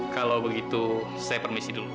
kalau begitu saya permisi dulu